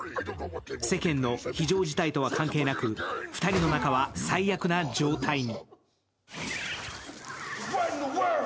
世間の非常事態とは関係なく、２人の仲は最悪な状態に。